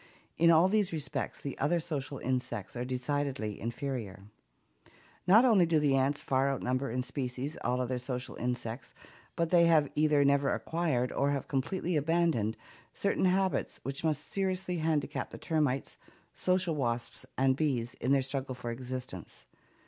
In all these respects the other social insects are decidedly inferior. ... Not only do the ants far outnumber in species all other social insects, but they have either never acquired, or have completely abandoned, certain habits which must seriously handicap the termites, social wasps and bees in their struggle for existence.